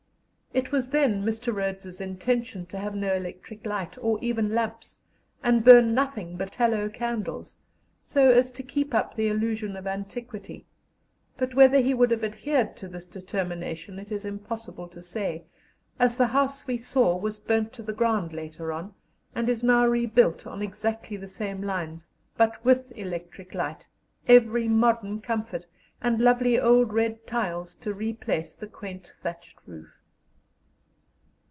It was then Mr. Rhodes's intention to have no electric light, or even lamps, and burn nothing but tallow candles, so as to keep up the illusion of antiquity; but whether he would have adhered to this determination it is impossible to say, as the house we saw was burnt to the ground later on, and is now rebuilt on exactly the same lines, but with electric light, every modern comfort, and lovely old red tiles to replace the quaint thatched roof.